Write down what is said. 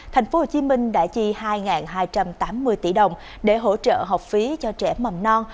tp hcm đã chi hai hai trăm tám mươi tỷ đồng để hỗ trợ học phí cho trẻ mầm non